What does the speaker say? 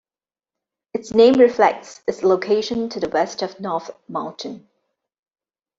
Its name reflects its location to the west of North Mountain.